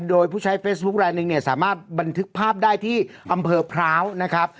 โดยผู้ใช้เฟซบุ๊คไลนึงเนี่ยสามารถบันทึกภาพได้ที่อำเภอพร้าวนะครับ